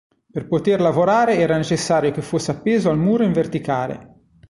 Per poter lavorare era necessario che fosse appeso al muro in verticale.